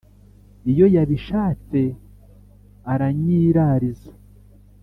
lyo yabishatse aranyirariza